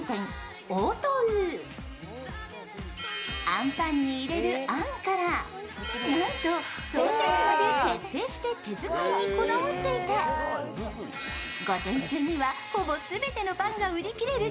あんぱんに入れるあんからなんとソーセージまで徹底して手作りにこだわっていて午前中にはほぼ全てのパンが売り切れる